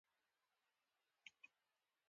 جومات ته لاړ چې لمونځ وکړي.